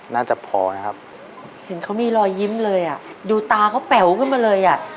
น่าจะพอนะครับเห็นเขามีรอยยิ้มเลยอ่ะดูตาเขาแป๋วขึ้นมาเลยอ่ะ